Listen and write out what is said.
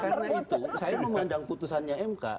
karena itu saya memandang putusannya mk